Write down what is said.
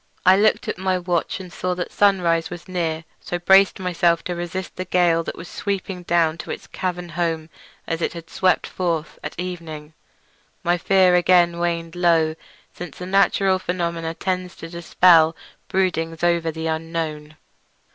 I looked at my watch and saw that sunrise was near, so braced myself to resist the gale which was sweeping down to its cavern home as it had swept forth at evening. My fear again waned low, since a natural phenomenon tends to dispel broodings over the unknown.